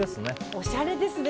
おしゃれですね。